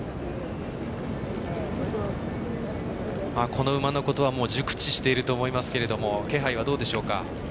この馬のことは熟知していると思いますけれども気配はどうでしょうか。